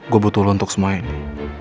gue butuh lo untuk semuanya